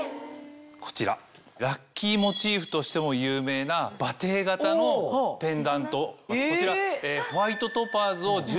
こちらラッキーモチーフとしても有名な馬蹄形のペンダント。